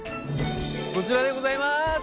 こちらでございます！